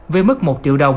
với mức một triệu đồng